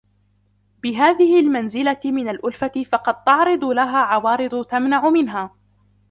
بِهَذِهِ الْمَنْزِلَةِ مِنْ الْأُلْفَةِ فَقَدْ تَعْرِضُ لَهُ عَوَارِضُ تَمْنَعُ مِنْهَا